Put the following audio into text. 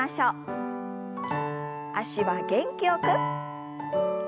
脚は元気よく。